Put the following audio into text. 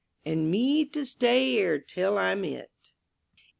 And me to stay 'ere till I'm 'it.